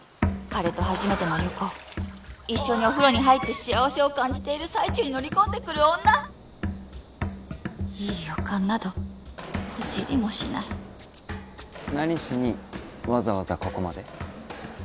彼と初めての旅行一緒にお風呂に入って幸せを感じている最中に乗り込んでくる女いい予感などポチリもしない何しにわざわざここまで？